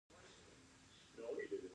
افغانستان د لوگر د پلوه ځانته ځانګړتیا لري.